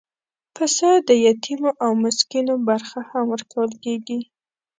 پسه د یتیمو او مسکینو برخه هم ورکول کېږي.